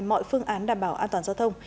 mọi phương án đảm bảo an toàn giao thông